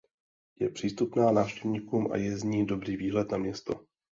Je přístupná návštěvníkům a je zní dobrý výhled na město.